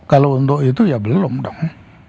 kalau untuk itu ya belum dong